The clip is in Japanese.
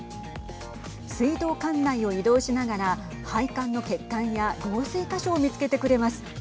水道管内を移動しながら配管の欠陥や漏水箇所を見つけてくれます。